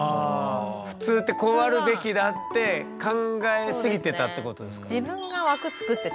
普通ってこうあるべきだって考えすぎてたってことですか？